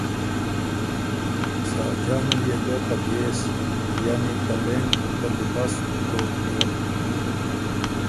ساجان ال يې ګۀ ته ګېس (لېمپ) بندیبست دوک بیوک۔